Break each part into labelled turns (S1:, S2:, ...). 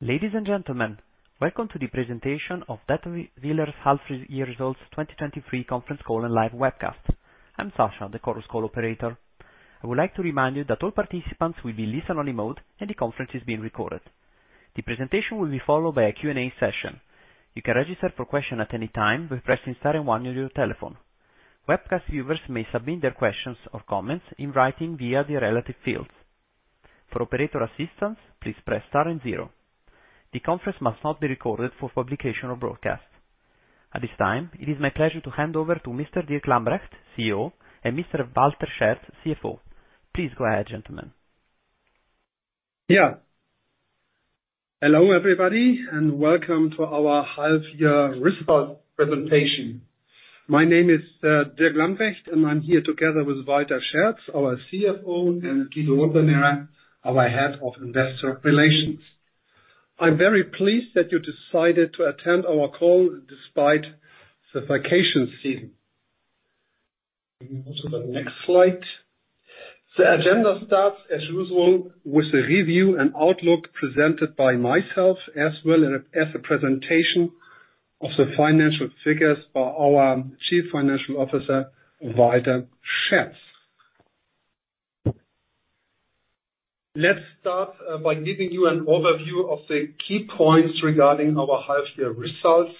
S1: Ladies and gentlemen, welcome to the presentation of Datwyler's half-year results, 2023 conference call and live webcast. I'm Sasha, the Chorus Call operator. I would like to remind you that all participants will be in listen-only mode, and the conference is being recorded. The presentation will be followed by a Q&A session. You can register for question at any time by pressing star one on your telephone. Webcast viewers may submit their questions or comments in writing via the relative fields. For operator assistance, please press star zero. The conference must not be recorded for publication or broadcast. At this time, it is my pleasure to hand over to Mr. Dirk Lambrecht, CEO, and Mr. Walter Scherz, CFO. Please go ahead, gentlemen.
S2: Yeah. Hello, everybody, and welcome to our half year result presentation. My name is Dirk Lambrecht, and I'm here together with Walter Scherz, our CFO, and Guido Unternahrer, our Head of Investor Relations. I'm very pleased that you decided to attend our call despite the vacation season. Can you go to the next slide? The agenda starts, as usual, with a review and outlook presented by myself, as well as a presentation of the financial figures by our Chief Financial Officer, Walter Scherz. Let's start by giving you an overview of the key points regarding our half-year results.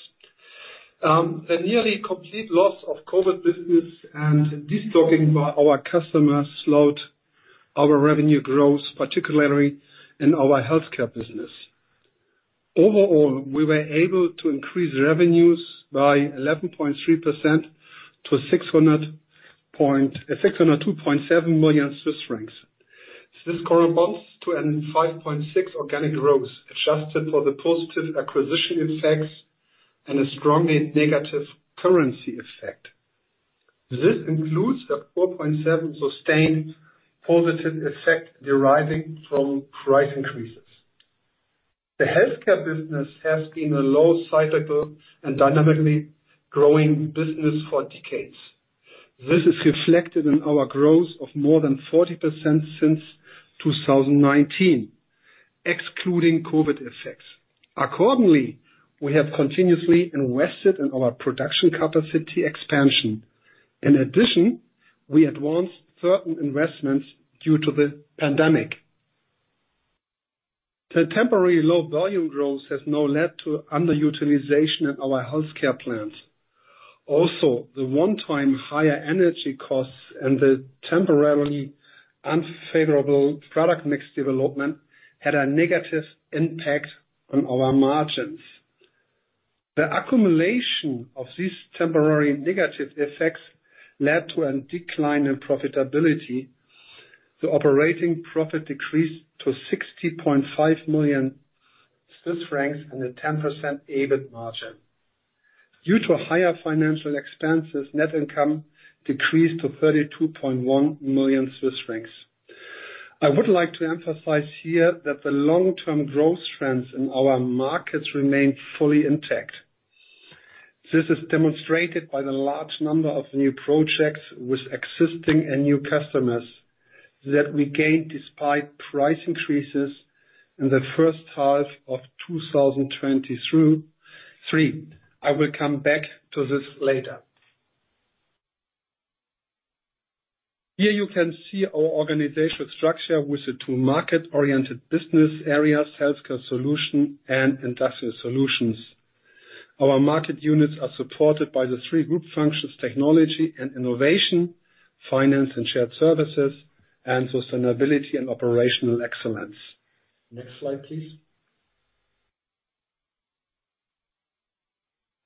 S2: The nearly complete loss of COVID business and destocking by our customers slowed our revenue growth, particularly in our healthcare business. Overall, we were able to increase revenues by 11.3% to 602.7 million Swiss francs. This corresponds to a 5.6 organic growth, adjusted for the positive acquisition effects and a strongly negative currency effect. This includes a 4.7 sustained positive effect deriving from price increases. The healthcare business has been a low-cyclical and dynamically growing business for decades. This is reflected in our growth of more than 40% since 2019, excluding COVID effects. Accordingly, we have continuously invested in our production capacity expansion. In addition, we advanced certain investments due to the pandemic. The temporary low-volume growth has now led to underutilization in our healthcare plans. The one-time higher energy costs and the temporarily unfavorable product mix development had a negative impact on our margins. The accumulation of these temporary negative effects led to a decline in profitability. The operating profit decreased to 60.5 million Swiss francs and a 10% EBIT margin. Due to higher financial expenses, net income decreased to 32.1 million Swiss francs. I would like to emphasize here that the long-term growth trends in our markets remain fully intact. This is demonstrated by the large number of new projects with existing and new customers that we gained despite price increases in the H1 of 2023. I will come back to this later. Here you can see our organizational structure with the two market-oriented business areas, Healthcare Solutions and Industrial Solutions. Our market units are supported by the three group functions: technology and innovation, finance and shared services, and sustainability and operational excellence. Next slide, please.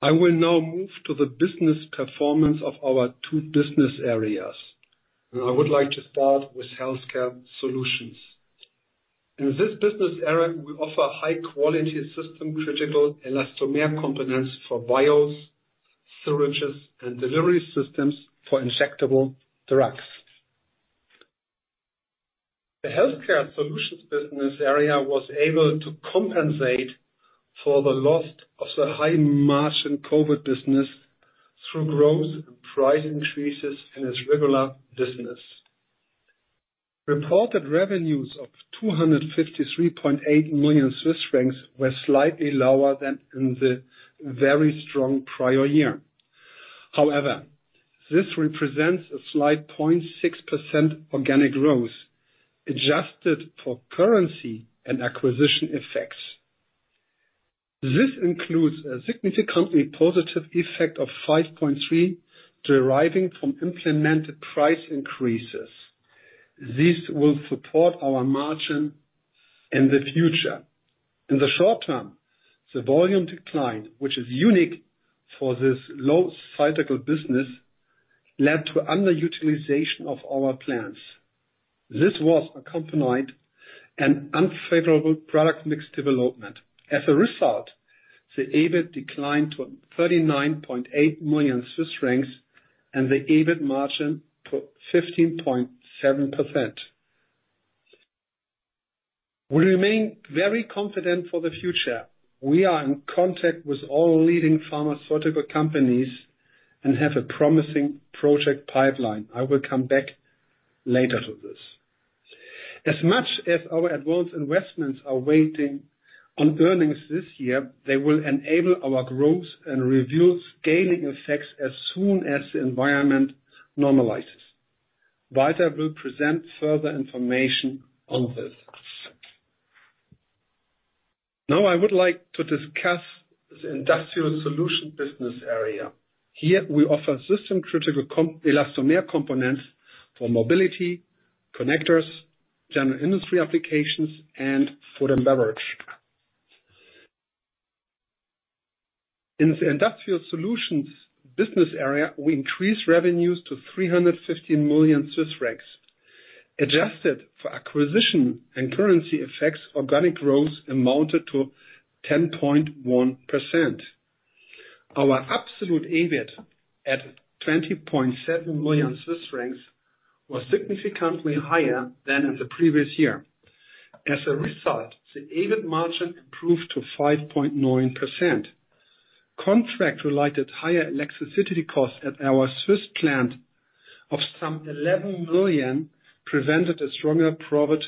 S2: I will now move to the business performance of our two business areas. I would like to start with Healthcare Solutions. In this business area, we offer high-quality system, critical elastomer components for vials, syringes, and delivery systems for injectable drugs. The Healthcare Solutions business area was able to compensate for the loss of the high-margin COVID business through growth and price increases in its regular business. Reported revenues of 253.8 million Swiss francs were slightly lower than in the very strong prior year. However, this represents a slight 0.6% organic growth, adjusted for currency and acquisition effects. This includes a significantly positive effect of 5.3%, deriving from implemented price increases. This will support our margin in the future. In the short term, the volume decline, which is unique for this low cyclical business, led to underutilization of our plans. This was accompanied an unfavorable product mix development. As a result, the EBIT declined to 39.8 million Swiss francs, and the EBIT margin to 15.7%. We remain very confident for the future. We are in contact with all leading pharmaceutical companies and have a promising project pipeline. I will come back to this later to this. As much as our advanced investments are waiting on earnings this year, they will enable our growth and review scaling effects as soon as the environment normalizes. Walter will present further information on this. Now I would like to discuss the Industrial Solutions business area. Here, we offer system-critical elastomer components for Mobility, Connectors, General Industry applications, and Food & Beverage. In the Industrial Solutions business area, we increased revenues to 315 million Swiss francs. Adjusted for acquisition and currency effects, organic growth amounted to 10.1%. Our absolute EBIT, at 20.7 million Swiss francs, was significantly higher than in the previous year. As a result, the EBIT margin improved to 5.9%. Contract-related higher electricity costs at our Swiss plant of some 11 million prevented a stronger profit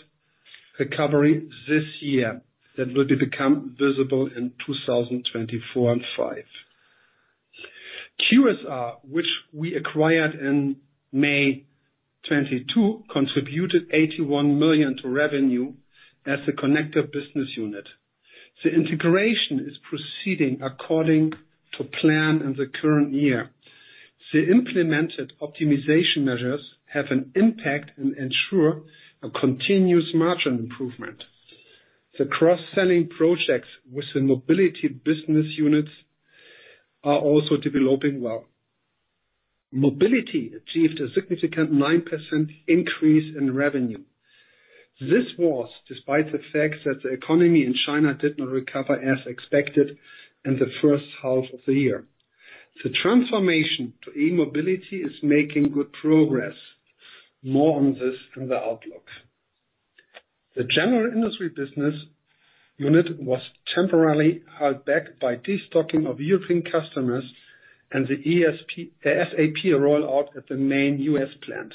S2: recovery this year, that will become visible in 2024 and 2025. QSR, which we acquired in May 2022, contributed 81 million to revenue as a Connectors business unit. The integration is proceeding according to plan in the current year. The implemented optimization measures have an impact and ensure a continuous margin improvement. The cross-selling projects with the Mobility business units are also developing well. Mobility achieved a significant 9% increase in revenue. This was despite the fact that the economy in China did not recover as expected in the H1 of the year. The transformation to e-mobility is making good progress. More on this in the outlook. The General Industry business unit was temporarily held back by destocking of European customers and the SAP roll out at the main US plant.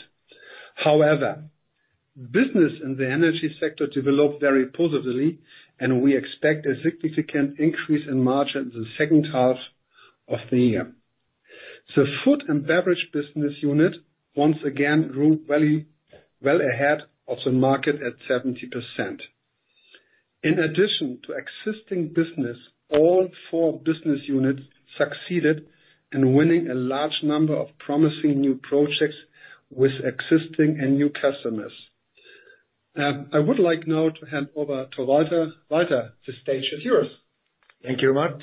S2: Business in the energy sector developed very positively, and we expect a significant increase in margin in the H2 of the year. The Food & Beverage business unit, once again, grew well ahead of the market at 70%. In addition to existing business, all four business units succeeded in winning a large number of promising new projects with existing and new customers. I would like now to hand over to Walter. Walter, the stage is yours.
S3: Thank you very much.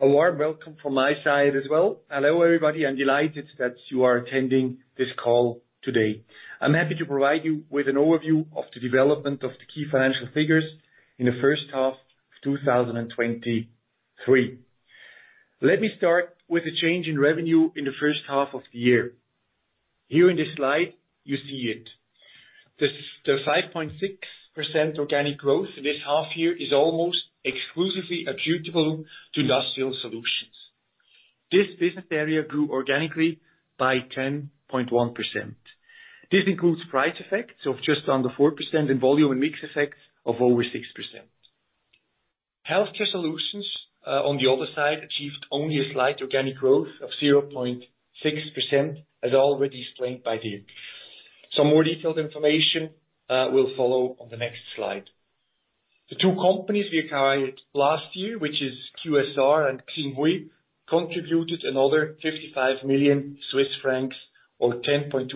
S3: A warm welcome from my side as well. Hello, everybody, I'm delighted that you are attending this call today. I'm happy to provide you with an overview of the development of the key financial figures in the H1 of 2023. Let me start with the change in revenue in the H1 of the year. Here in this slide, you see it. The 5.6% organic growth this half year is almost exclusively attributable to Industrial Solutions. This business area grew organically by 10.1%. This includes price effects of just under 4% in volume and mix effects of over 6%. Healthcare Solutions, on the other side, achieved only a slight organic growth of 0.6%, as already explained by Dirk. Some more detailed information will follow on the next slide. The two companies we acquired last year, which is QSR and Xinhui, contributed another 55 million Swiss francs, or 10.2%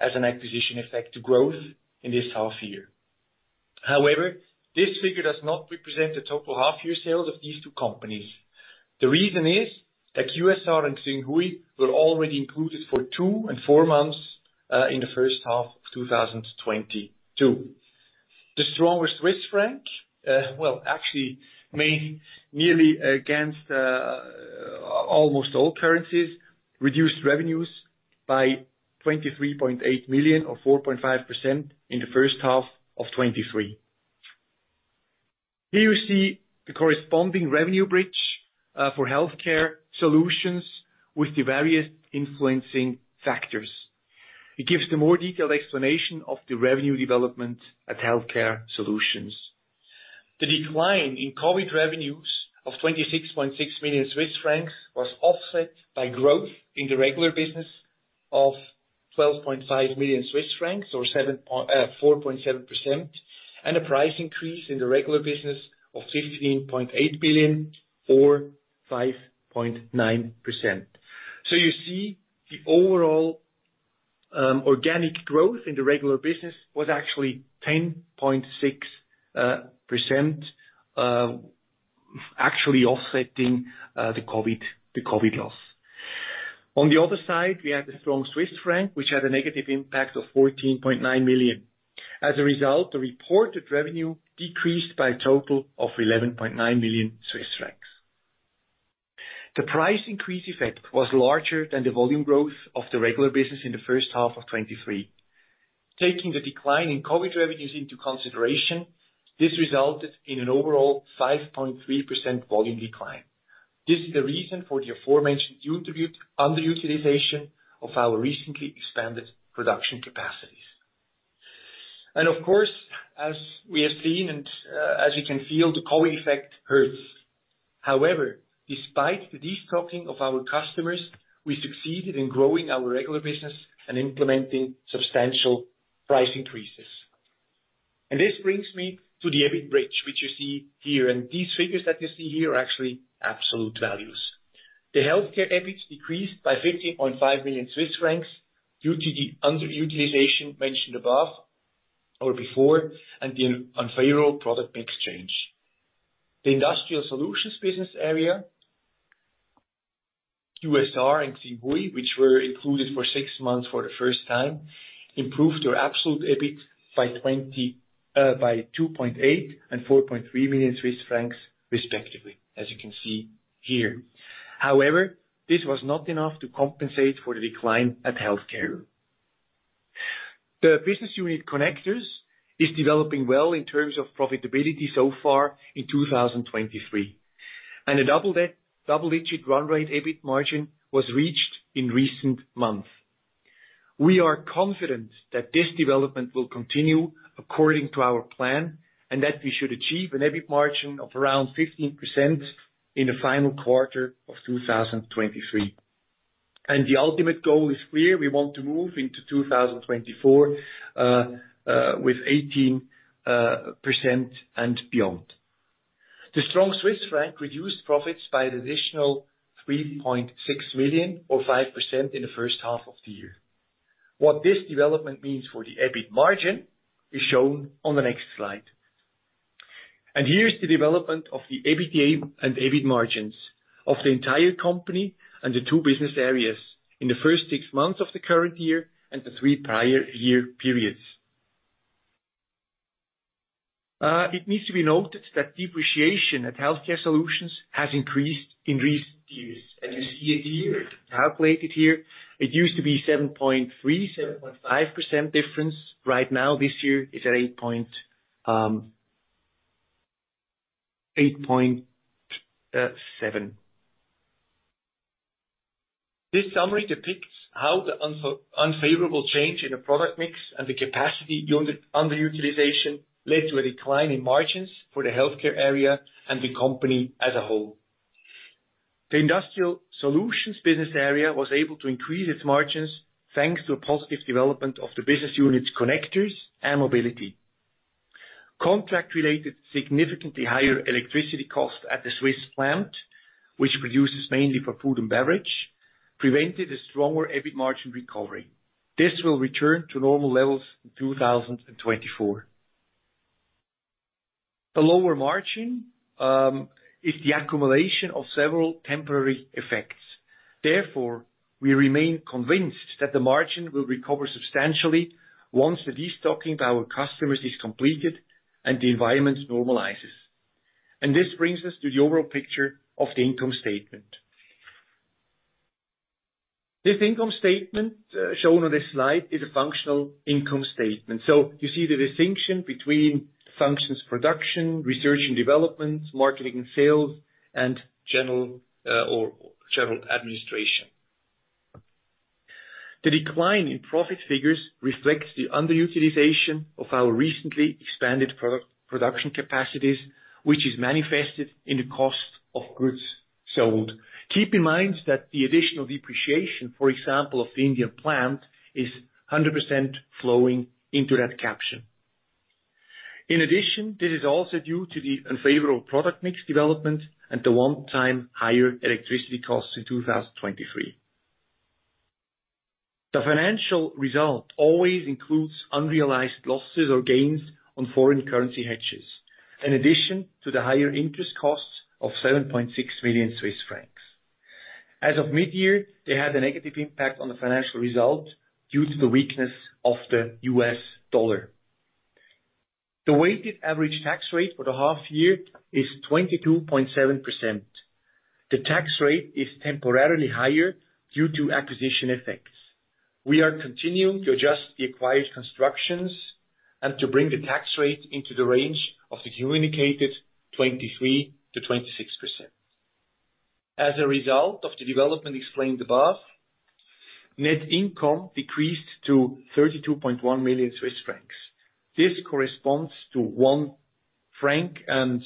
S3: as an acquisition effect to growth in this half year. However, this figure does not represent the total half-year sales of these two companies. The reason is that QSR and Xinhui were already included for 2 and 4 months in the H1 of 2022. The stronger Swiss franc, well, actually, mainly, nearly against almost all currencies, reduced revenues by 23.8 million, or 4.5% in the H1 of 2023. Here you see the corresponding revenue bridge for Healthcare Solutions with the various influencing factors. It gives the more detailed explanation of the revenue development at Healthcare Solutions. The decline in COVID revenues of 26.6 million Swiss francs was offset by growth in the regular business of 12.5 million Swiss francs, or 4.7%, and a price increase in the regular business of 15.8 billion, or 5.9%. You see, the overall organic growth in the regular business was actually 10.6%, actually offsetting the COVID loss. On the other side, we had the strong Swiss franc, which had a negative impact of 14.9 million. As a result, the reported revenue decreased by a total of 11.9 million Swiss francs. The price increase effect was larger than the volume growth of the regular business in the H1 of 2023. Taking the decline in COVID revenues into consideration, this resulted in an overall 5.3% volume decline. This is the reason for the aforementioned due to underutilization of our recently expanded production capacities. Of course, as we have seen and as you can feel, the COVID effect hurts. However, despite the destocking of our customers, we succeeded in growing our regular business and implementing substantial price increases. This brings me to the EBIT bridge, which you see here, and these figures that you see here are actually absolute values. The healthcare EBIT decreased by 15.5 million Swiss francs due to the underutilization mentioned above or before, and the unfavorable product mix change. The Industrial Solutions business area, QSR and Xinhui, which were included for 6 months for the first time, improved their absolute EBIT by 2.8 million and 4.3 million Swiss francs, respectively, as you can see here. This was not enough to compensate for the decline at healthcare. The business unit Connectors is developing well in terms of profitability so far in 2023, a double-digit run rate EBIT margin was reached in recent months. We are confident that this development will continue according to our plan, that we should achieve an EBIT margin of around 15% in the final quarter of 2023. The ultimate goal is clear: we want to move into 2024 with 18% and beyond. The strong Swiss franc reduced profits by an additional 3.6 million, or 5% in the H1 of the year. What this development means for the EBIT margin is shown on the next slide. Here is the development of the EBITDA and EBIT margins of the entire company and the two business areas in the first six months of the current year and the three prior year periods. It needs to be noted that depreciation at Healthcare Solutions has increased in recent years. You see it here, calculated here, it used to be 7.3, 7.5% difference. Right now, this year, it's at 8.7. This summary depicts how the unfavorable change in the product mix and the capacity underutilization led to a decline in margins for the Healthcare Solutions area and the company as a whole. The Industrial Solutions business area was able to increase its margins, thanks to a positive development of the business units, Connectors and Mobility. Contract-related, significantly higher electricity costs at the Swiss plant, which produces mainly for Food & Beverage, prevented a stronger EBIT margin recovery. This will return to normal levels in 2024. The lower margin is the accumulation of several temporary effects. We remain convinced that the margin will recover substantially once the destocking by our customers is completed and the environment normalizes. This brings us to the overall picture of the income statement. This income statement, shown on this slide, is a functional income statement. You see the distinction between functions, production, research and development, marketing and sales, and general or general administration. The decline in profit figures reflects the underutilization of our recently expanded production capacities, which is manifested in the cost of goods sold. Keep in mind that the additional depreciation, for example, of the Indian plant, is 100% flowing into that caption. In addition, this is also due to the unfavorable product mix development and the one-time higher electricity costs in 2023. The financial result always includes unrealized losses or gains on foreign currency hedges, in addition to the higher interest costs of 7.6 million Swiss francs. As of mid-year, they had a negative impact on the financial result due to the weakness of the US dollar. The weighted average tax rate for the half year is 22.7%. The tax rate is temporarily higher due to acquisition effects. We are continuing to adjust the acquired constructions and to bring the tax rate into the range of the communicated 23%-26%. As a result of the development explained above, net income decreased to 32.1 million Swiss francs. This corresponds to 1.89 franc or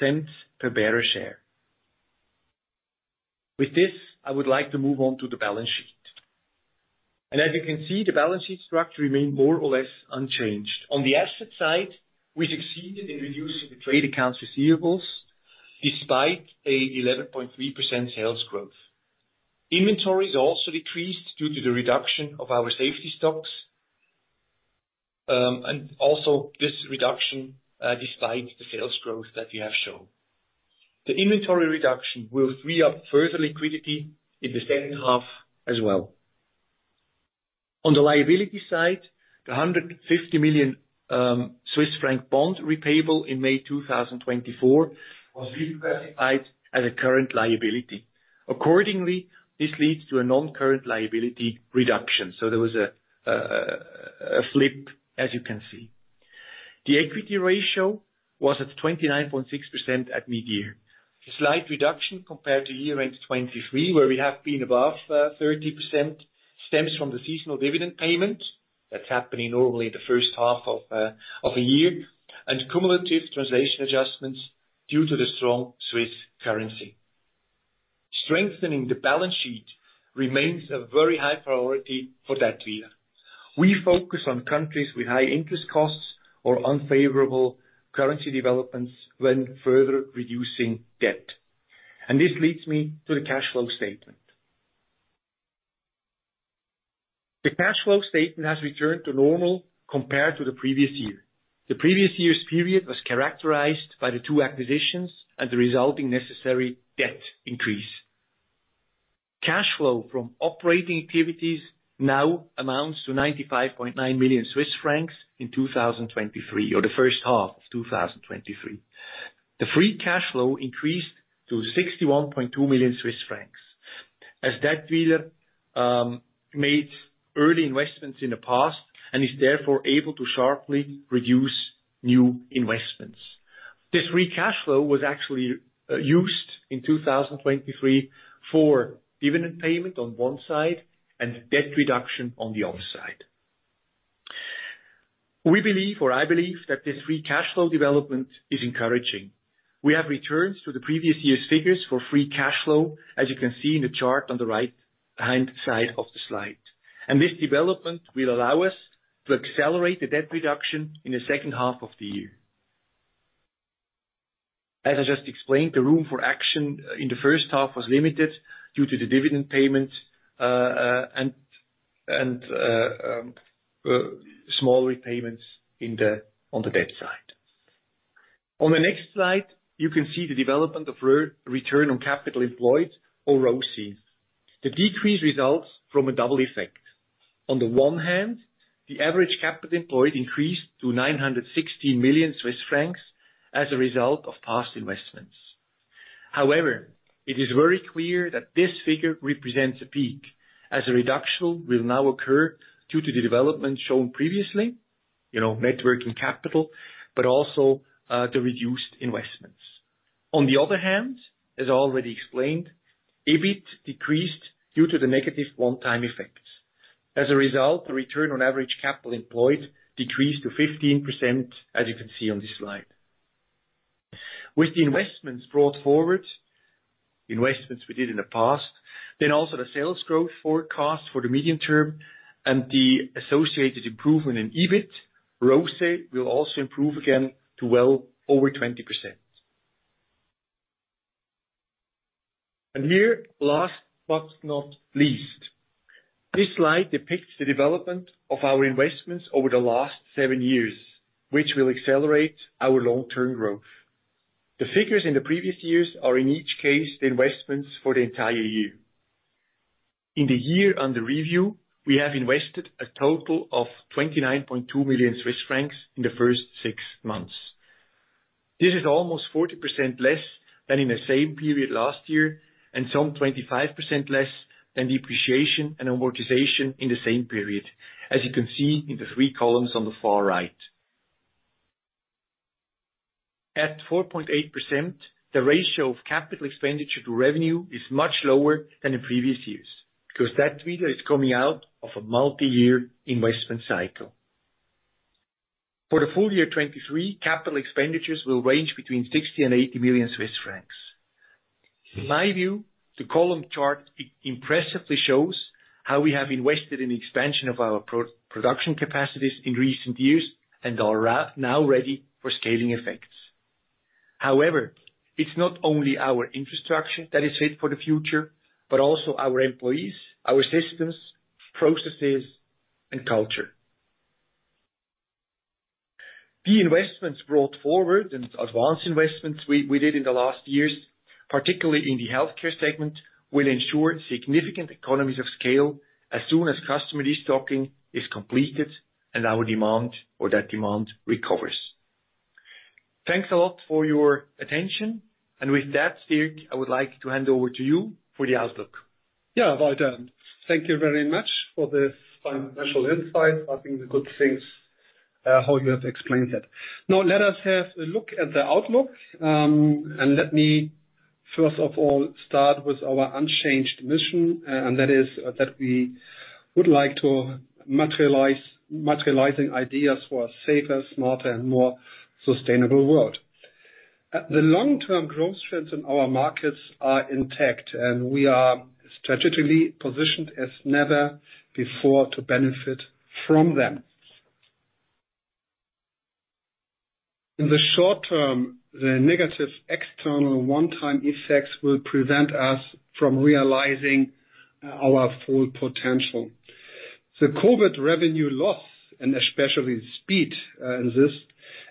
S3: cents per bearer share. I would like to move on to the balance sheet. As you can see, the balance sheet structure remained more or less unchanged. On the asset side, we succeeded in reducing the trade accounts receivables, despite an 11.3% sales growth. Inventories also decreased due to the reduction of our safety stocks, and also this reduction, despite the sales growth that we have shown. The inventory reduction will free up further liquidity in the H2 as well. On the liability side, the 150 million Swiss franc bond, repayable in May 2024, was reclassified as a current liability. Accordingly, this leads to a non-current liability reduction, so there was a flip, as you can see. The equity ratio was at 29.6% at mid-year. A slight reduction compared to year-end 2023, where we have been above 30%, stems from the seasonal dividend payment that's happening normally in the H1 of a year, and cumulative translation adjustments due to the strong Swiss currency. Strengthening the balance sheet remains a very high priority for Datwyler. We focus on countries with high interest costs or unfavorable currency developments when further reducing debt. This leads me to the cash flow statement. The cash flow statement has returned to normal compared to the previous year. The previous year's period was characterized by the two acquisitions and the resulting necessary debt increase. Cash flow from operating activities now amounts to 95.9 million Swiss francs in 2023, or the H1 of 2023. The free cash flow increased to 61.2 million Swiss francs. As Datwyler made early investments in the past and is therefore able to sharply reduce new investments. This free cash flow was actually used in 2023 for dividend payment on one side and debt reduction on the other side. We believe, or I believe, that this free cash flow development is encouraging. We have returned to the previous year's figures for free cash flow, as you can see in the chart on the right-hand side of the slide. This development will allow us to accelerate the debt reduction in the H2 of the year. As I just explained, the room for action in the H1 was limited due to the dividend payments and small repayments in the, on the debt side. On the next slide, you can see the development of return on capital employed or ROCE. The decreased results from a double effect. On the one hand, the average capital employed increased to 960 million Swiss francs as a result of past investments. However, it is very clear that this figure represents a peak, as a reduction will now occur due to the development shown previously, you know, net working capital, but also the reduced investments. On the other hand, as already explained, EBIT decreased due to the negative one-time effects. The return on average capital employed decreased to 15%, as you can see on this slide. With the investments brought forward, investments we did in the past, the sales growth forecast for the medium term and the associated improvement in EBIT, ROCE will also improve again to well over 20%. Last but not least, this slide depicts the development of our investments over the last 7 years, which will accelerate our long-term growth. The figures in the previous years are in each case, the investments for the entire year. In the year under review, we have invested a total of 29.2 million Swiss francs in the first 6 months. This is almost 40% less than in the same period last year, and some 25% less than depreciation and amortization in the same period, as you can see in the three columns on the far right. At 4.8%, the ratio of CapEx to revenue is much lower than in previous years, because Datwyler is coming out of a multi-year investment cycle. For the full year 2023, CapEx will range between 60 million-80 million Swiss francs. In my view, the column chart impressively shows how we have invested in the expansion of our production capacities in recent years and are now ready for scaling effects. However, it's not only our infrastructure that is fit for the future, but also our employees, our systems, processes, and culture. The investments brought forward and advanced investments we did in the last years, particularly in the healthcare segment, will ensure significant economies of scale as soon as customer destocking is completed and our demand or that demand recovers. Thanks a lot for your attention. With that, Dirk, I would like to hand over to you for the outlook.
S2: Yeah, well done. Thank you very much for this financial insight. I think the good things, how you have explained it. Let us have a look at the outlook, and let me first of all, start with our unchanged mission, and that is, that we would like to materializing ideas for a safer, smarter, and more sustainable world. The long-term growth trends in our markets are intact, and we are strategically positioned as never before to benefit from them. In the short term, the negative external one-time effects will prevent us from realizing our full potential. The COVID revenue loss, and especially speed exists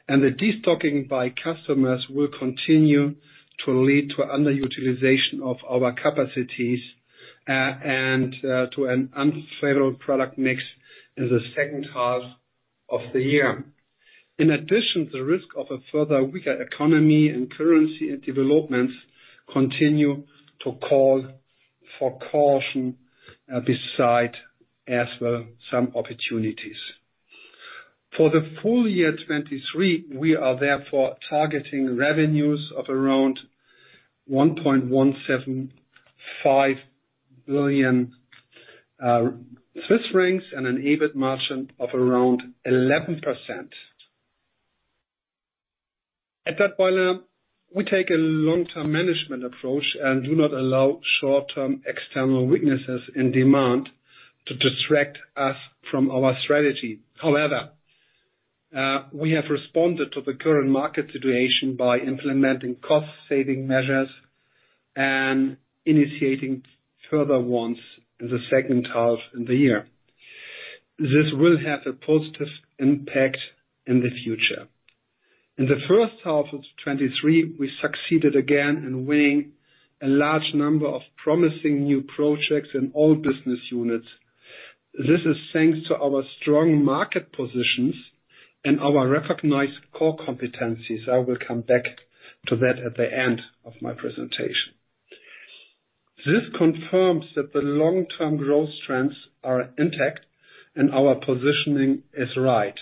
S2: and the destocking by customers will continue to lead to underutilization of our capacities, and to an unfavorable product mix in the H2 of the year. In addition, the risk of a further weaker economy and currency and developments continue to call for caution, beside as well, some opportunities. For the full year 2023, we are therefore targeting revenues of around 1.175 billion Swiss francs, and an EBIT margin of around 11%. At Datwyler, we take a long-term management approach and do not allow short-term external weaknesses in demand to distract us from our strategy. However, we have responded to the current market situation by implementing cost-saving measures and initiating further ones in the H2 of the year. This will have a positive impact in the future. In the H1 of 2023, we succeeded again in winning a large number of promising new projects in all business units. This is thanks to our strong market positions and our recognized core competencies. I will come back to that at the end of my presentation. This confirms that the long-term growth trends are intact, and our positioning is right.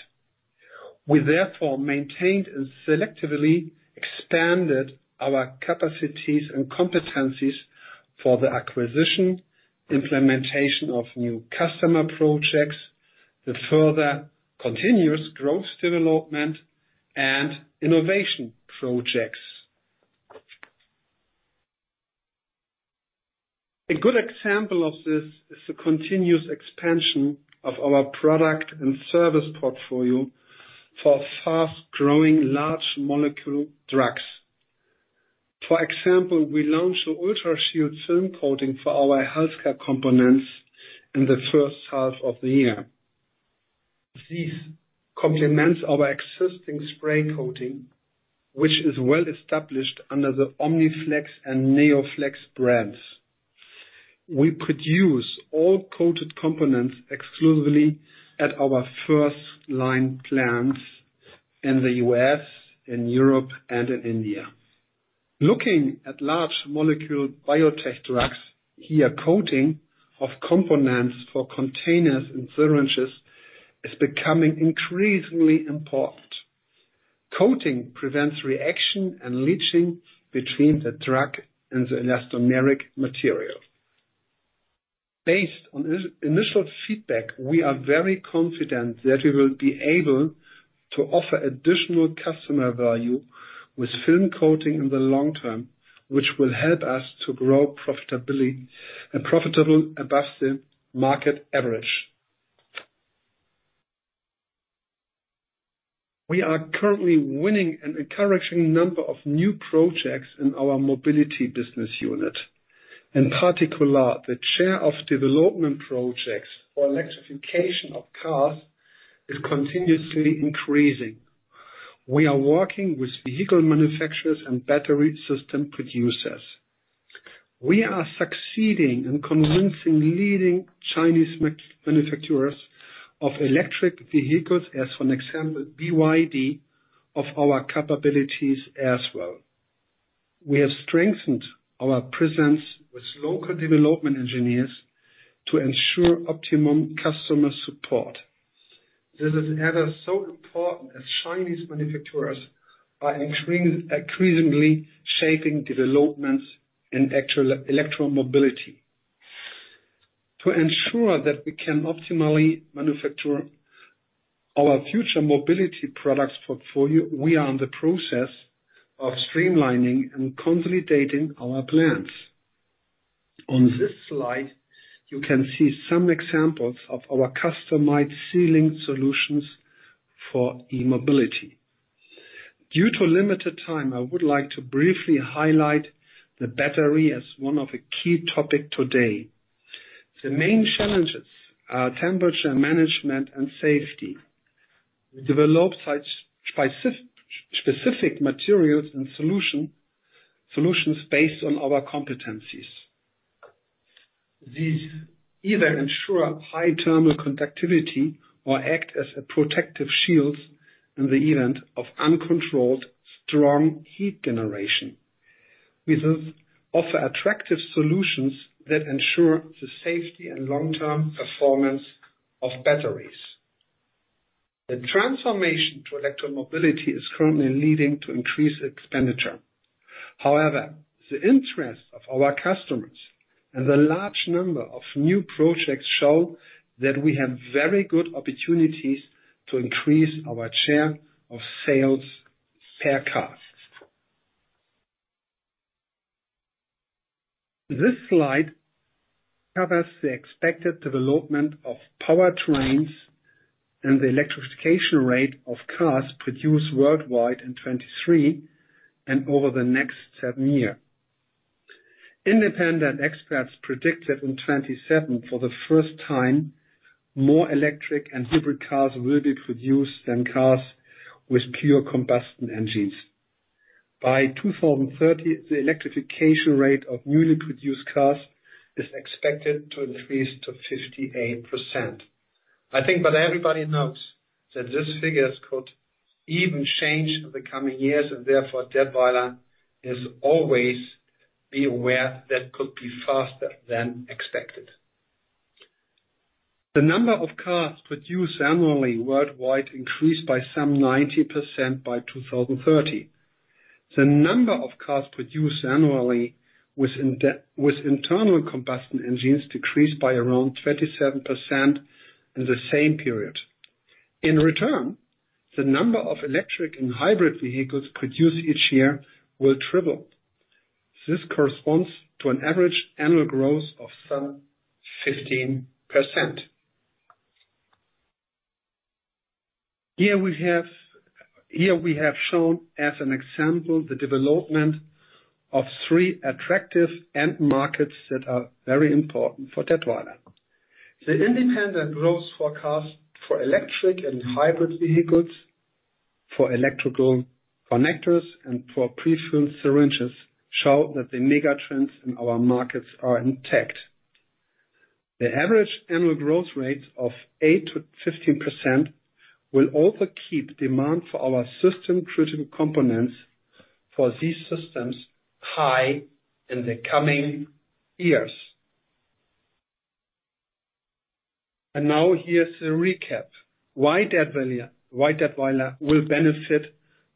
S2: We therefore maintained and selectively expanded our capacities and competencies for the acquisition, implementation of new customer projects, the further continuous growth development, and innovation projects. A good example of this is the continuous expansion of our product and service portfolio for fast-growing large molecule drugs. For example, we launched the UltraShield™ film coating for our healthcare components in the H1 of the year. This complements our existing spray coating, which is well established under the OmniFlex® and NeoFlex™ brands. We produce all coated components exclusively at our FirstLine plants in the U.S., in Europe, and in India. Looking at large molecule biotech drugs, here, coating of components for containers and syringes is becoming increasingly important. Coating prevents reaction and leaching between the drug and the elastomeric material. Based on initial feedback, we are very confident that we will be able to offer additional customer value with film coating in the long term, which will help us to grow profitable above the market average. We are currently winning an encouraging number of new projects in our Mobility business unit. In particular, the share of development projects for electrification of cars is continuously increasing. We are working with vehicle manufacturers and battery system producers. We are succeeding in convincing leading Chinese manufacturers of electric vehicles, as for example, BYD, of our capabilities as well. We have strengthened our presence with local development engineers to ensure optimum customer support. This is ever so important, as Chinese manufacturers are increasingly shaping developments in electromobility. To ensure that we can optimally manufacture our future Mobility products portfolio, we are in the process of streamlining and consolidating our plans. On this slide, you can see some examples of our customized sealing solutions for e-mobility. Due to limited time, I would like to briefly highlight the battery as one of the key topic today. The main challenges are temperature management and safety. We develop such specific materials and solutions based on our competencies. These either ensure high thermal conductivity or act as a protective shield in the event of uncontrolled, strong heat generation. We thus offer attractive solutions that ensure the safety and long-term performance of batteries. The transformation to electromobility is currently leading to increased expenditure. However, the interest of our customers and the large number of new projects show that we have very good opportunities to increase our share of sales per cars. This slide covers the expected development of powertrains and the electrification rate of cars produced worldwide in 2023, and over the next seven years. Independent experts predicted in 2027, for the first time, more electric and hybrid cars will be produced than cars with pure combustion engines. By 2030, the electrification rate of newly produced cars is expected to increase to 58%. Everybody knows that these figures could even change in the coming years, and therefore, Datwyler is always be aware that could be faster than expected. The number of cars produced annually worldwide increased by some 90% by 2030. The number of cars produced annually with internal combustion engines decreased by around 27% in the same period. In return, the number of electric and hybrid vehicles produced each year will triple. This corresponds to an average annual growth of some 15%. Here we have shown, as an example, the development of three attractive end markets that are very important for Datwyler. The independent growth forecast for electric and hybrid vehicles, for electrical connectors, and for prefilled syringes, show that the megatrends in our markets are intact. The average annual growth rate of 8%-15% will also keep demand for our system-critical components for these systems high in the coming years. Now, here's a recap. Why Datwyler will benefit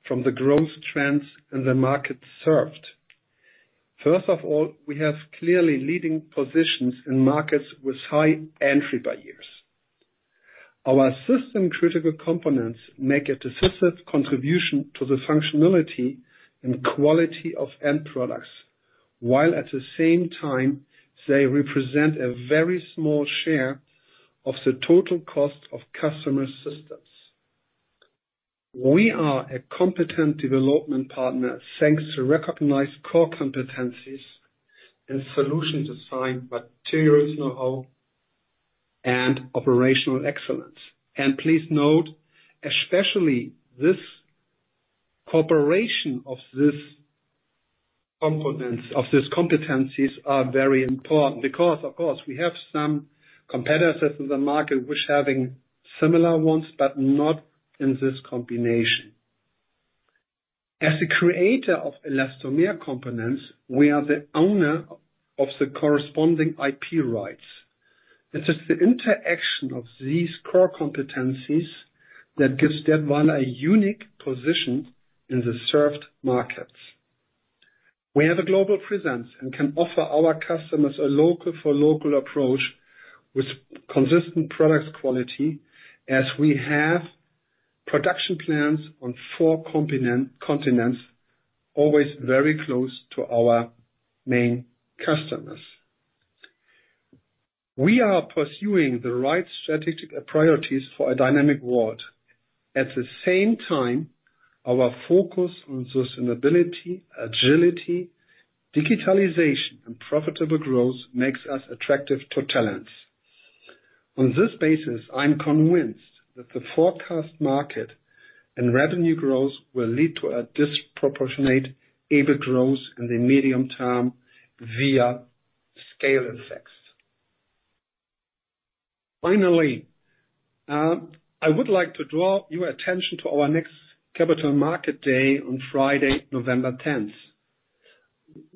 S2: from the growth trends in the market served. First of all, we have clearly leading positions in markets with high entry barriers. Our system-critical components make a decisive contribution to the functionality and quality of end products, while at the same time, they represent a very small share of the total cost of customer systems. We are a competent development partner, thanks to recognized core competencies and solution design, materials know-how, and operational excellence. Please note, especially this cooperation of this components, of this competencies are very important, because, of course, we have some competitors in the market which having similar ones, but not in this combination. As the creator of elastomer components, we are the owner of the corresponding IP rights. It is the interaction of these core competencies that gives Datwyler a unique position in the served markets. We have a global presence and can offer our customers a local-for-local approach with consistent product quality, as we have production plans on four continents, always very close to our main customers. We are pursuing the right strategic priorities for a dynamic world. At the same time, our focus on sustainability, agility, digitalization, and profitable growth makes us attractive to talents. On this basis, I'm convinced that the forecast market and revenue growth will lead to a disproportionate EBIT growth in the medium term via scale effects. Finally, I would like to draw your attention to our next Capital Markets Day on Friday, November 10.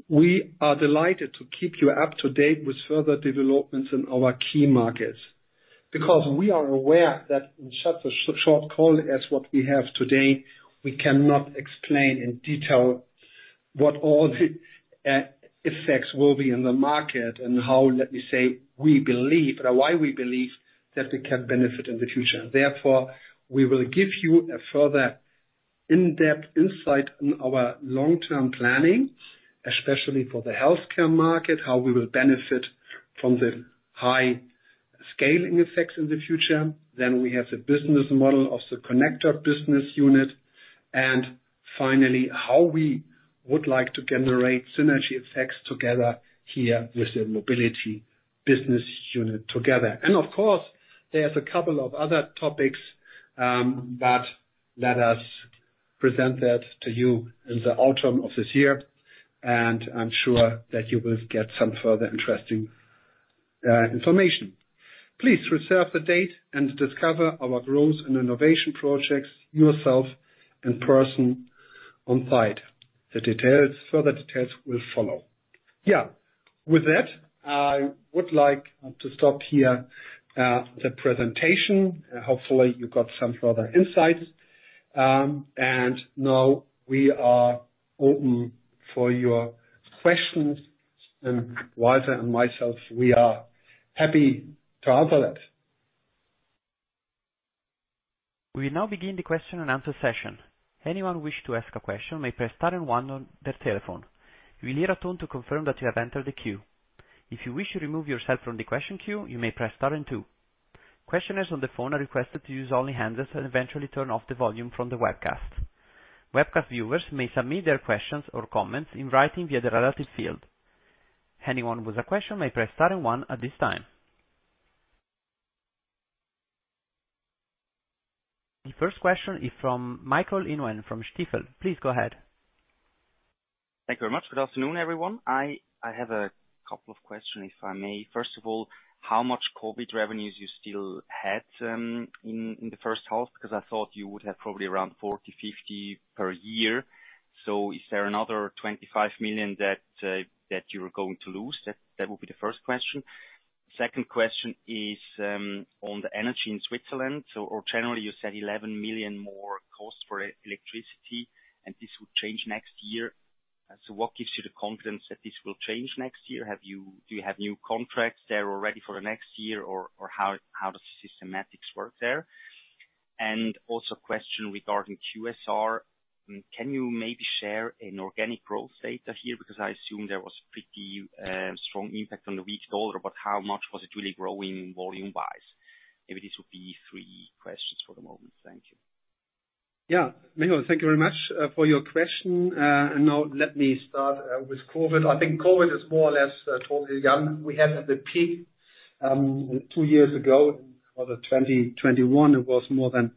S2: We are delighted to keep you up to date with further developments in our key markets, because we are aware that in such a short call as what we have today, we cannot explain in detail what all the effects will be in the market and how, let me say, we believe, or why we believe that we can benefit in the future. We will give you a further in-depth insight on our long-term planning, especially for the healthcare market, how we will benefit from the high scaling effects in the future. We have the business model of the Connectors business unit, and finally, how we would like to generate synergy effects together here with the Mobility business unit together. There's a couple of other topics that let us present that to you in the autumn of this year. I'm sure that you will get some further interesting information. Please reserve the date and discover our growth and innovation projects yourself in person on site. The details, further details will follow. With that, I would like to stop here the presentation. Hopefully, you got some further insights. We are open for your questions, and Walter Scherz and myself, we are happy to answer that.
S1: We now begin the question and answer session. Anyone wish to ask a question may press star and one on their telephone. You will hear a tone to confirm that you have entered the queue. If you wish to remove yourself from the question queue, you may press star and two. Questioners on the phone are requested to use only handles and eventually turn off the volume from the webcast. Webcast viewers may submit their questions or comments in writing via the relative field. Anyone with a question may press star and one at this time. The first question is from Michael Inauen from Stifel. Please go ahead.
S4: Thank you very much. Good afternoon, everyone. I have a couple of questions, if I may. First of all, how much COVID revenues you still had in the H1? Because I thought you would have probably around 40 million, 50 million per year. Is there another 25 million that you're going to lose? That would be the first question. Second question is on the energy in Switzerland, so or generally, you said 11 million more cost for e-electricity, and this would change next year. What gives you the confidence that this will change next year? Do you have new contracts there already for the next year, or how does systematics work there? Also question regarding QSR: Can you maybe share an organic growth data here? I assume there was pretty, strong impact on the weak dollar, but how much was it really growing volume-wise? Maybe this would be three questions for the moment. Thank you.
S2: Yeah, Michael, thank you very much for your question. Let me start with COVID. I think COVID is more or less totally gone. We had at the peak, 2 years ago, or 2021, it was more than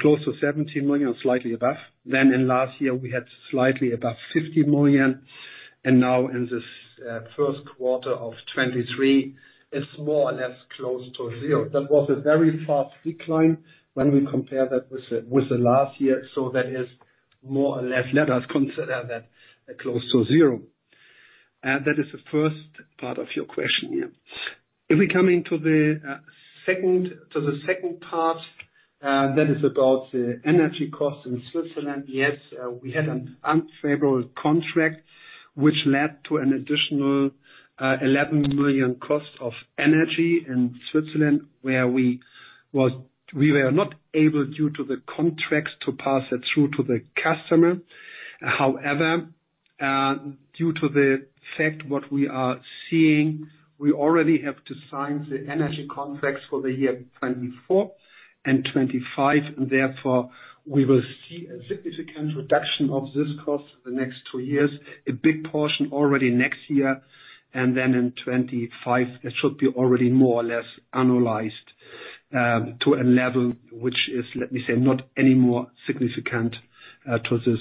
S2: close to 17 million, or slightly above. In last year, we had slightly above 50 million, and now in this Q1 of 2023, it's more or less close to zero. That was a very fast decline when we compare that with the last year, so that is more or less. Let us consider that close to zero. That is the first part of your question, yeah. If we come to the second part, that is about the energy cost in Switzerland. Yes, we had an unfavorable contract which led to an additional 11 million cost of energy in Switzerland, where we were not able, due to the contracts, to pass that through to the customer. Due to the fact what we are seeing, we already have to sign the energy contracts for the year 2024 and 2025, we will see a significant reduction of this cost in the next two years. A big portion already next year, in 2025, it should be already more or less analyzed to a level which is, let me say, not any more significant to this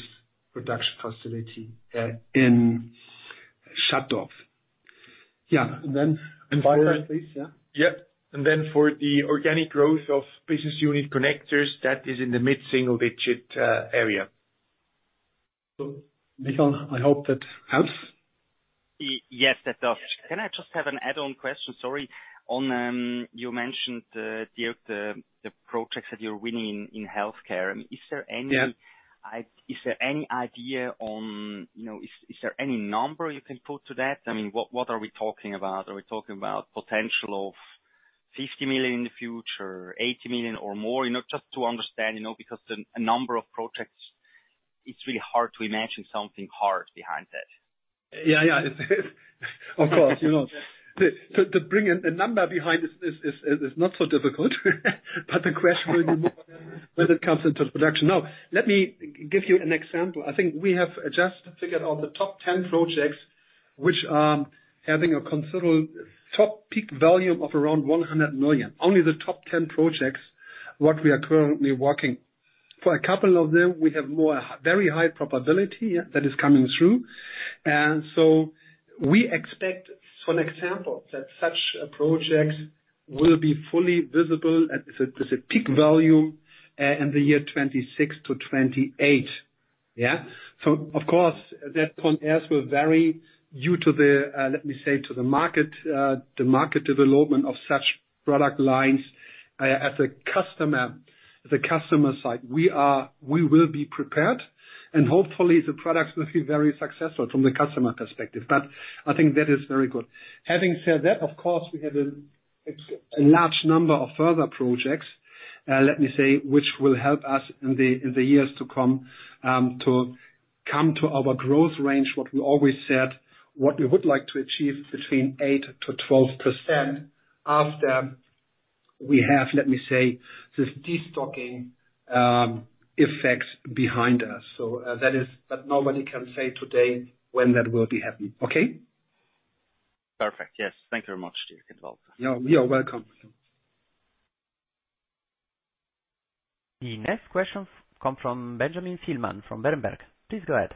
S2: reduction possibility in Schattdorf. Yeah.
S1: Please, yeah.
S2: Yep. Then for the organic growth of business unit Connectors, that is in the mid-single digit, area. Michael, I hope that helps.
S4: Yes, that does. Can I just have an add-on question? Sorry. On, you mentioned the projects that you're winning in healthcare. I mean, is there.
S2: Yeah.
S4: Is there any idea on, you know, is there any number you can put to that? I mean, what are we talking about? Are we talking about potential of 50 million in the future, 80 million or more? You know, just to understand, you know, because a number of projects, it's really hard to imagine something hard behind that.
S2: Yeah. Of course, you know, to bring a number behind this is not so difficult, but the question will be when it comes into production. Let me give you an example. I think we have just figured out the top 10 projects which are having a considerable top peak volume of around 100 million. Only the top 10 projects, what we are currently working. For a couple of them, we have more, very high probability that is coming through. We expect, for example, that such a project will be fully visible at the peak value in the year 2026-2028. Yeah? Of course, that compares will vary due to the, let me say, to the market, the market development of such product lines. As a customer, the customer side, we will be prepared, and hopefully the products will be very successful from the customer perspective, I think that is very good. Having said that, of course, we have a large number of further projects, let me say, which will help us in the years to come, to come to our growth range, what we always said, what we would like to achieve between 8% to 12% after we have, let me say, this de-stocking, effects behind us. That is, but nobody can say today when that will be happening. Okay.
S4: Perfect. Yes. Thank you very much, Dirk, as well.
S2: You are welcome.
S1: The next questions come from Benjamin Thielmann, from Berenberg. Please go ahead.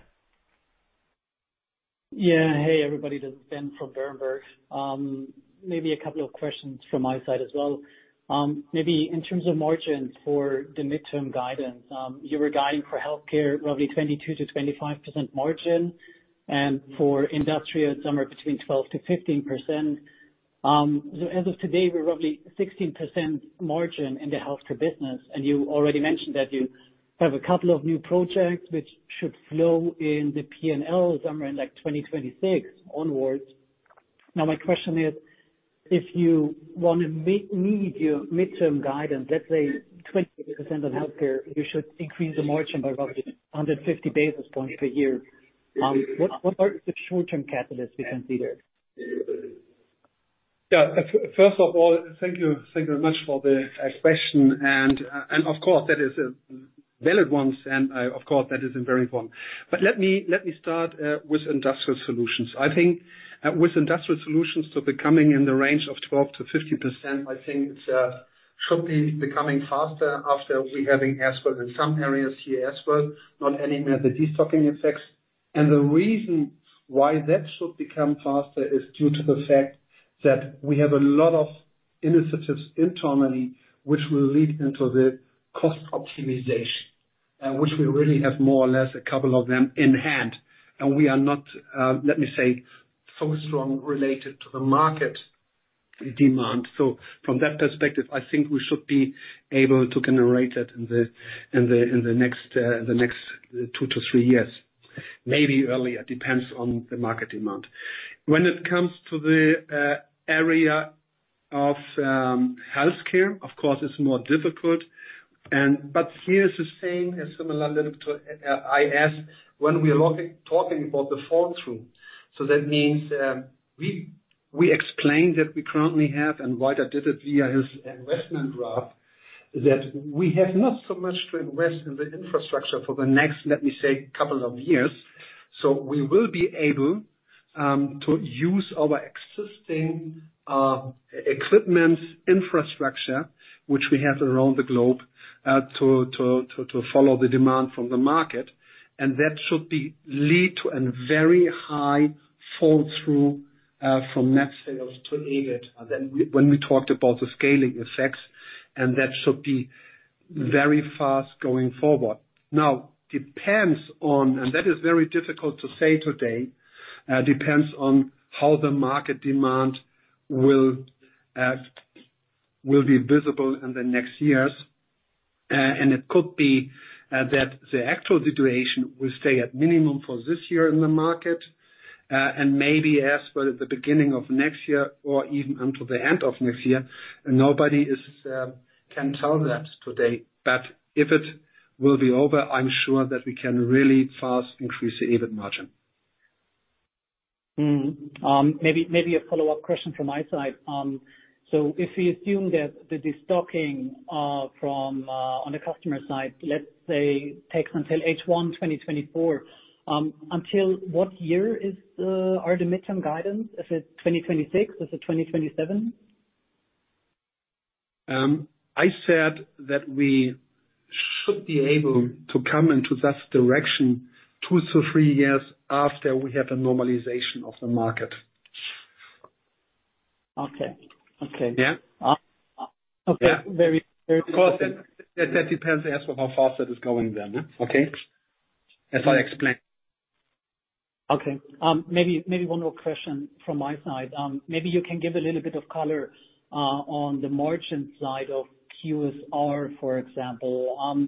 S5: Hey, everybody. This is Ben from Berenberg. Maybe a couple of questions from my side as well. Maybe in terms of margins for the midterm guidance, you were guiding for Healthcare Solutions, roughly 22%-25% margin, and for Industrial Solutions, somewhere between 12%-15%. As of today, we're roughly 16% margin in the Healthcare Solutions business, and you already mentioned that you have a couple of new projects which should flow in the P&L somewhere in, like, 2026 onwards. My question is, if you want to meet your midterm guidance, let's say 20% on Healthcare Solutions, you should increase the margin by about 150 basis points per year. What are the short-term catalysts we can see there?
S2: Yeah. First of all, thank you very much for the question, and of course, that is a valid one, and of course, that is very important. Let me start with Industrial Solutions. I think with Industrial Solutions to be coming in the range of 12%-15%, I think it should be becoming faster after we having as well in some areas here as well, not only the destocking effects. The reason why that should become faster is due to the fact that we have a lot of initiatives internally, which will lead into the cost optimization, which we really have more or less a couple of them in hand. We are not, let me say, so strong related to the market demand. From that perspective, I think we should be able to generate it in the next two to three years, maybe earlier, depends on the market demand. When it comes to the area of healthcare, of course, it's more difficult but here is the same and similar little to IS, when we are talking about the fall-through. That means we explained that we currently have, and Walter did it via his investment graph, that we have not so much to invest in the infrastructure for the next, let me say, couple of years. We will be able to use our existing equipment infrastructure, which we have around the globe, to follow the demand from the market, and that should be lead to a very high fall-through from net sales to EBIT. When we talked about the scaling effects, and that should be very fast going forward. Depends on, and that is very difficult to say today, depends on how the market demand will be visible in the next years. It could be that the actual situation will stay at minimum for this year in the market, and maybe as for the beginning of next year or even until the end of next year. Nobody is, can tell that today, but if it will be over, I'm sure that we can really fast increase the EBIT margin.
S5: Maybe a follow-up question from my side. If we assume that the destocking on the customer side, let's say, takes until H1 2024, until what year are the midterm guidance? Is it 2026, is it 2027?
S2: I said that we should be able to come into that direction two to three years after we have the normalization of the market.
S5: Okay. Okay.
S2: Yeah.
S5: Okay.
S2: Yeah.
S5: Very.
S2: Of course, that depends as to how fast it is going then, okay? As I explained.
S5: Okay. Maybe one more question from my side. Maybe you can give a little bit of color on the margin side of QSR, for example.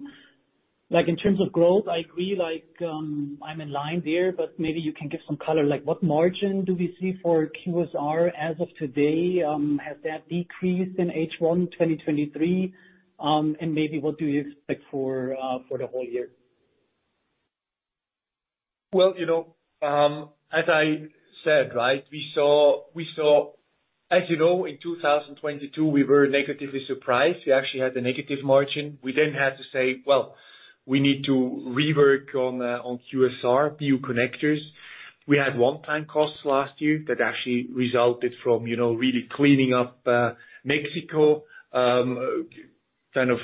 S5: Like, in terms of growth, I agree, like, I'm in line there, but maybe you can give some color, like, what margin do we see for QSR as of today? Has that decreased in H1 2023? Maybe what do you expect for the whole year?
S2: Well, you know, as I said, right, we saw. As you know, in 2022, we were negatively surprised. We actually had a negative margin. We then had to say, "Well, we need to rework on QSR view connectors." We had one-time costs last year that actually resulted from, you know, really cleaning up Mexico, kind of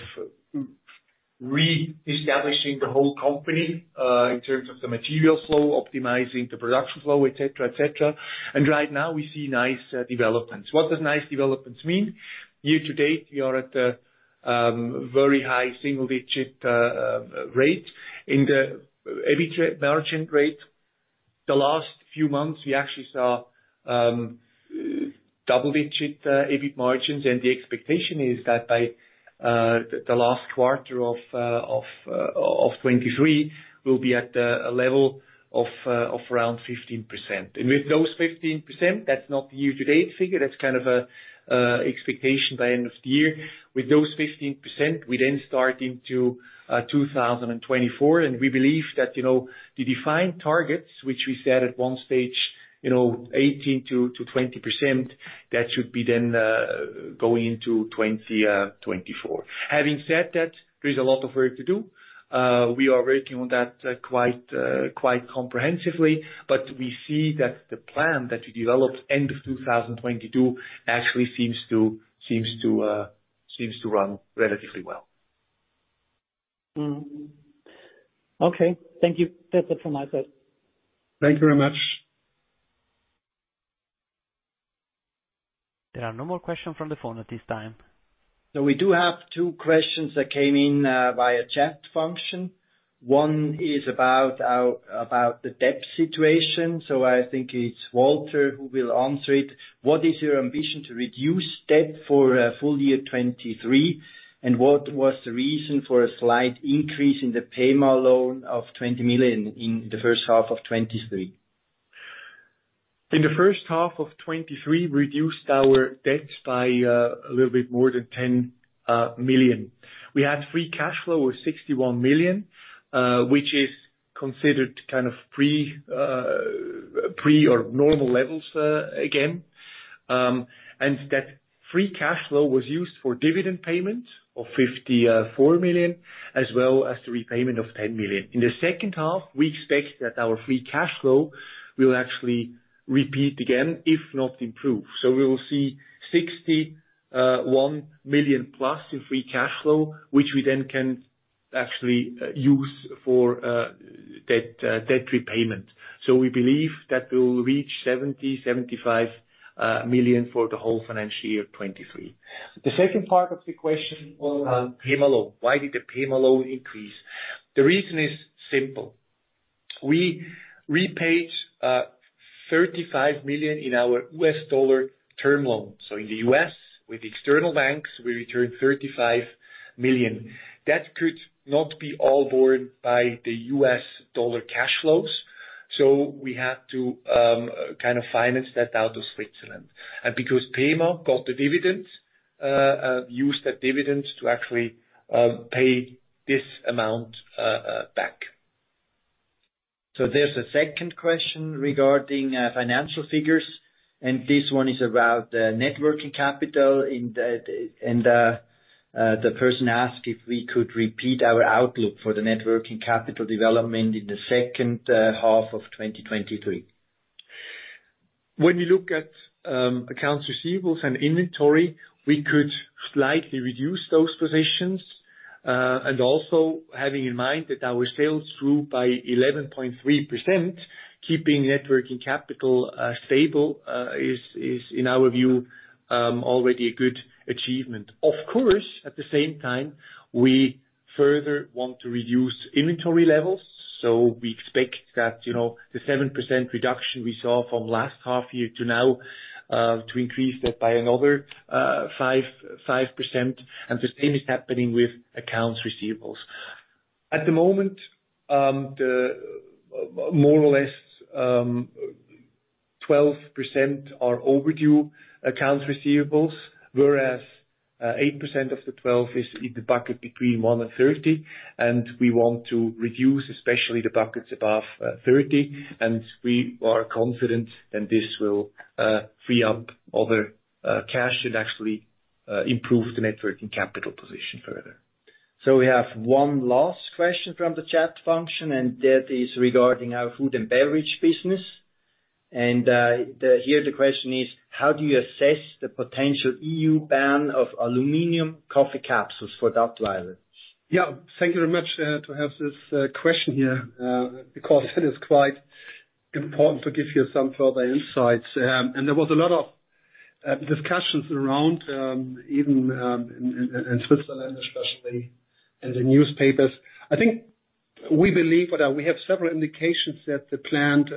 S2: reestablishing the whole company in terms of the material flow, optimizing the production flow, et cetera, et cetera. Right now we see nice developments. What does nice developments mean? Year to date, we are at a very high single-digit rate. In the EBIT margin rate, the last few months, we actually saw double-digit EBIT margins, and the expectation is that by the last quarter of 2023, we'll be at a level of around 15%. With those 15%, that's not the year-to-date figure, that's kind of a expectation by end of the year. With those 15%, we then start into 2024, and we believe that, you know, the defined targets, which we set at one stage, you know, 18%-20%, that should be then going into 2024. Having said that, there is a lot of work to do. We are working on that, quite comprehensively, but we see that the plan that we developed end of 2022, actually seems to run relatively well.
S5: Mm. Okay. Thank you. That's it from my side.
S2: Thank you very much.
S1: There are no more questions from the phone at this time.
S6: We do have two questions that came in via chat function. One is about the debt situation. I think it's Walter who will answer it. What is your ambition to reduce debt for full year 2023? What was the reason for a slight increase in the PEMA loan of 20 million in the H1 of 2023?
S2: In the H1 of 2023, we reduced our debts by a little bit more than 10 million. We had free cash flow of 61 million, which is considered kind of pre or normal levels again. That free cash flow was used for dividend payments of 54 million, as well as the repayment of 10 million. In the H2, we expect that our free cash flow will actually repeat again, if not improve. We will see....
S6: 1 million plus in free cash flow, which we then can actually use for debt repayment. We believe that we will reach 70 million-75 million for the whole financial year 2023.
S2: The second part of the question on, PEMA loan. Why did the PEMA loan increase? The reason is simple. We repaid $35 million in our US dollar term loan. In the US, with external banks, we returned $35 million. That could not be all borrowed by the US dollar cash flows, so we had to kind of finance that out of Switzerland. Because PEMA got the dividends, used that dividends to actually pay this amount back.
S6: There's a second question regarding financial figures, and this one is about the networking capital, and the person asked if we could repeat our outlook for the networking capital development in the H2 of 2023.
S2: When we look at accounts receivables and inventory, we could slightly reduce those positions. Also having in mind that our sales grew by 11.3%, keeping networking capital stable is, in our view, already a good achievement. Of course, at the same time, we further want to reduce inventory levels. We expect that, you know, the 7% reduction we saw from last half year to now, to increase that by another 5%, and the same is happening with accounts receivables. At the moment, the more or less, 12% are overdue accounts receivable, whereas, 8% of the 12 is in the bucket between one and 30, and we want to reduce, especially the buckets above, 30, and we are confident that this will, free up other, cash and actually, improve the net working capital position further.
S6: We have one last question from the chat function, and that is regarding our Food & Beverage business. Here the question is: How do you assess the potential EU ban of aluminum coffee capsules for Datwyler?
S2: Yeah, thank you very much, to have this question here, because it is quite important to give you some further insights. There was a lot of discussions around even in Switzerland, especially in the newspapers. I think we believe that we have several indications that the planned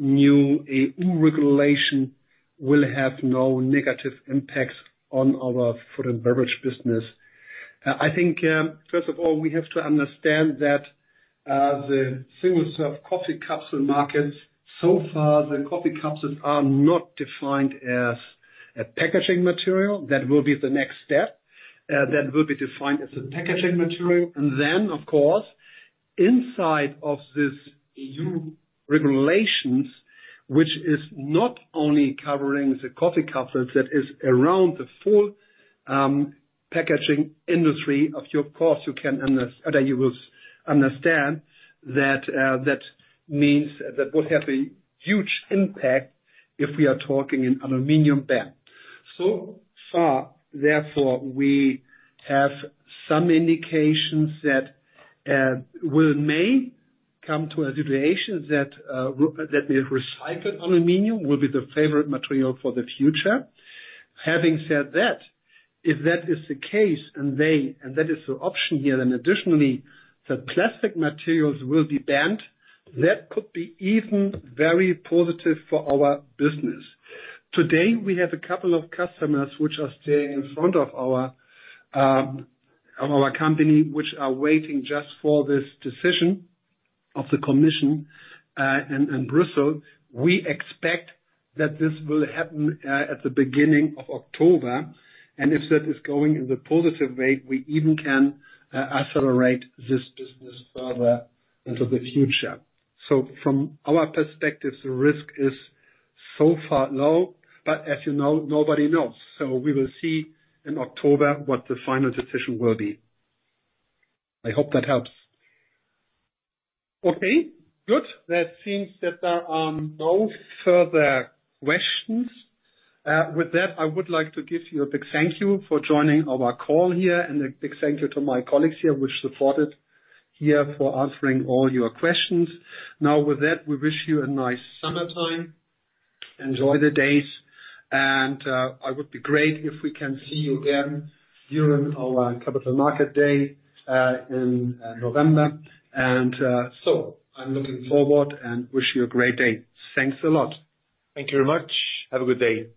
S2: new EU regulation will have no negative impacts on our Food & Beverage business. I think, first of all, we have to understand that the single-serve coffee capsule markets, so far, the coffee capsules are not defined as a packaging material. That will be the next step. That will be defined as a packaging material. Then, of course, inside of this EU regulations, which is not only covering the coffee capsules, that is around the full packaging industry, of course, you can understand that that means that would have a huge impact if we are talking an aluminum ban. Far, therefore, we have some indications that we may come to a situation that the recycled aluminum will be the favorite material for the future. Having said that, if that is the case, and that is the option here, additionally, the plastic materials will be banned, that could be even very positive for our business. Today, we have a couple of customers which are staying in front of our company, which are waiting just for this decision of the commission in Brussels. We expect that this will happen at the beginning of October. If that is going in the positive way, we even can accelerate this business further into the future. From our perspective, the risk is so far low. As you know, nobody knows. We will see in October what the final decision will be. I hope that helps. Okay, good. That seems that there are no further questions. With that, I would like to give you a big thank you for joining our call here. A big thank you to my colleagues here, which supported here for answering all your questions. With that, we wish you a nice summertime. Enjoy the days. It would be great if we can see you again during our Capital Markets Day in November. I'm looking forward and wish you a great day. Thanks a lot.
S6: Thank you very much. Have a good day.